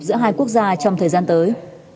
giữa hai quốc gia trong thời gian tới